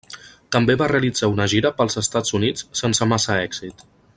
També va realitzar una gira pels Estats Units sense massa èxit.